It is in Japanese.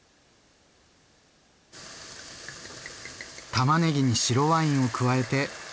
たまねぎに白ワインを加えて。